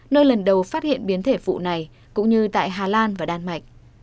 nơi lần đầu phát hiện biến thể phụ này cũng như tại hà lan và đan mạch